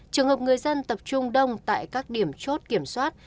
trường hợp người dân tập trung đông tại các điểm chốt kiểm soát